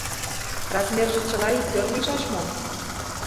Размерже чыла иктӧр лийшаш мо?